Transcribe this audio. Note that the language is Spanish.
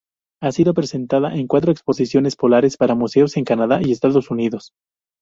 Ha sido presentada en cuatro exposiciones polares para museos en Canadá y Estados Unidos.